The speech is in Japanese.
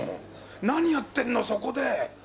何やってるのそこで！？